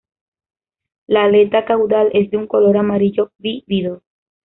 La aleta caudal es de un color amarillo vívido.